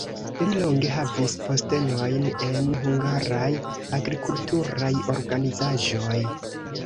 Li longe havis postenojn en hungaraj agrikulturaj organizaĵoj.